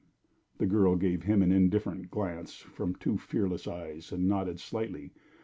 The girl gave him an indifferent glance from two fearless eyes, and nodded slightly.